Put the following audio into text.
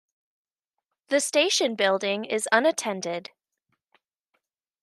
The station building is unattended.